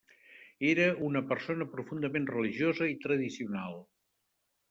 Era una persona profundament religiosa i tradicional.